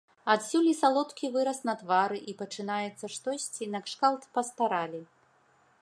Адсюль і салодкі выраз на твары, і пачынаецца штосьці, накшталт пастаралі.